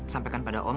sampaikan pada om